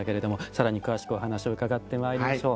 更に詳しくお話を伺ってまいりましょう。